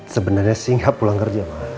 sebenernya sih gak pulang kerja mah